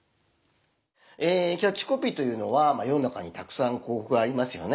キャッチコピーというのは世の中にたくさん広こくがありますよね。